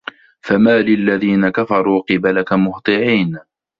فَمالِ الَّذينَ كَفَروا قِبَلَكَ مُهطِعينَ